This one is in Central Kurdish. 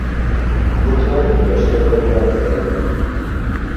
دەتوانین گەشتەکە دوابخەین؟